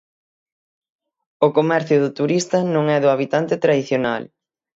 O comercio do turista non é o do habitante tradicional.